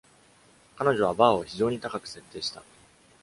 彼女はバーを非常に高く設定した。